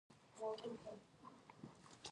زړه د ګرم حس تودوخه لري.